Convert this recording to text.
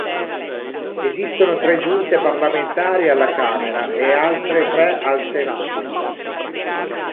Esistono tre giunte parlamentari alla Camera e altre tre al Senato.